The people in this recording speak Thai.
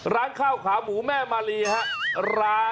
ร้านข้าวขาหมูแม่มาลีครับ